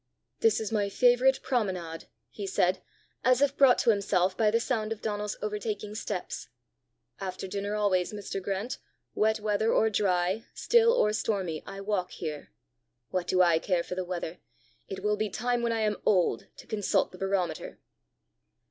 "This is my favourite promenade," he said, as if brought to himself by the sound of Donal's overtaking steps. "After dinner always, Mr. Grant, wet weather or dry, still or stormy, I walk here. What do I care for the weather! It will be time when I am old to consult the barometer!"